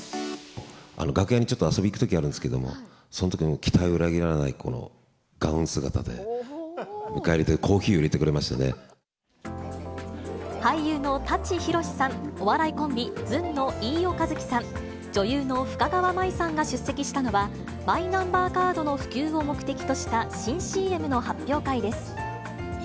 楽屋にちょっと遊びに行くとき、あるんですけど、そのときに、期待を裏切らないガウン姿で迎え入れて、俳優の舘ひろしさん、お笑いコンビ、ずんの飯尾和樹さん、女優の深川麻衣さんが出席したのは、マイナンバーカードの普及を目的とした、新ＣＭの発表会です。